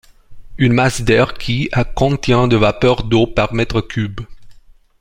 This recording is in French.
Une masse d'air qui, à contient de vapeur d'eau par mètre cube.